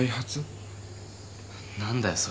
何だよそれ。